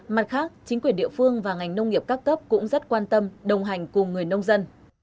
mặt khác chính quyền địa phương và ngành nông nghiệp các cấp cũng rất quan tâm đồng hành cùng người nông dân